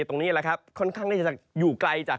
ตรงนี้แหละครับค่อนข้างที่จะอยู่ไกลจาก